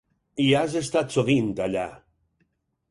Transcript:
Hi has estat sovint, allà.